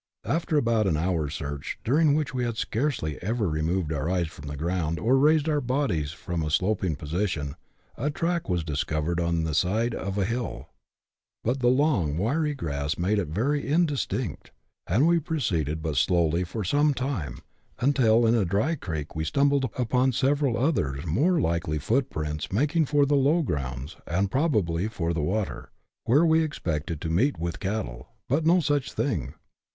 After about an hour's search, during which we had scarcely ever removed our eyes from the ground, or raised our bodies 98 BUSH LIFE IN AUSTRALIA. . [chap. ix. from a sloping position, a track was discovered on the side of a hill, but the long, wiry grass made it very indistinct, and we proceeded but slowly for some time, until in a dry creek we stumbled upon several other more " likely " footprints making for the low grounds, and probably for the water, where we ex pected to meet with cattle ; but no such thing.